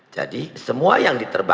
jadi semua yang diterbangin ada